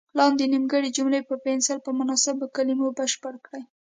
لاندې نیمګړې جملې په پنسل په مناسبو کلمو بشپړې کړئ.